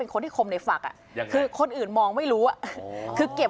คนที่เกิดในวันพุธเนี่ย